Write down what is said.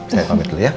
saya pamit dulu ya